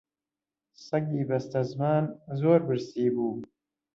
سەگی بەستەزمان زۆر برسی بوو